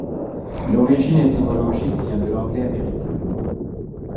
L'origine étymologique vient de l'anglais américain.